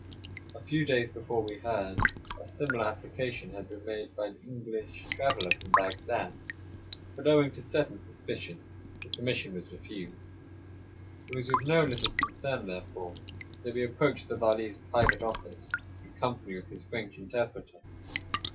A few days before, we heard, a similar application had been made by an English traveler 38 Across Asia on a Bicycle A VILLAGE SCENE. 39 from Bagdad, but owing to certain suspicions the permission was refused. It was with no little concern, therefore, that we approached the Vali's private office in company with his French interpreter.